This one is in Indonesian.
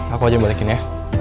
aku aja balikin ya